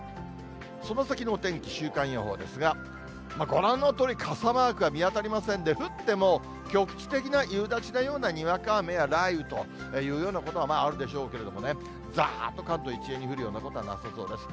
その先のお天気、週間予報ですが、ご覧のとおり、傘マークは見当たりませんね、降っても、局地的な夕立のようなにわか雨や雷雨というようなことは、まあ、あるでしょうけどもね、ざーっと関東一円に降るようなことはなさそうです。